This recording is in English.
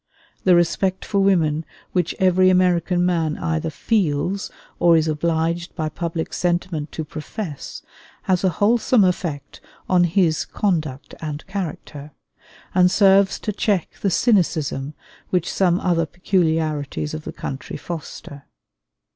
The respect for women which every American man either feels, or is obliged by public sentiment to profess, has a wholesome effect on his conduct and character, and serves to check the cynicism which some other peculiarities of the country foster.